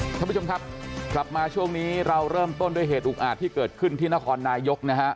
ท่านผู้ชมครับกลับมาช่วงนี้เราเริ่มต้นด้วยเหตุอุกอาจที่เกิดขึ้นที่นครนายกนะฮะ